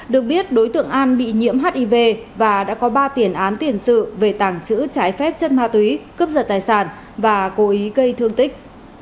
được biết đối tượng an bị nhiễm hiv và đã có ba tiền án tiền sự về tảng chữ trái phép chất ma túy cướp giật tài sản và cố ý gây thương tích